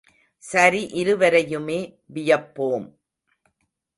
சரி இருவரையுமே வியப்போம்.